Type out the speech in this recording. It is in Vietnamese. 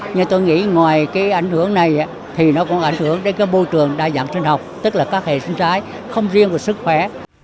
nhưng tôi nghĩ ngoài cái ảnh hưởng này thì nó còn ảnh hưởng đến cái môi trường đa dạng sinh học tức là các hệ sinh thái không riêng về sức khỏe